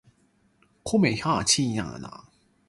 米芝蓮三星餐廳數量好少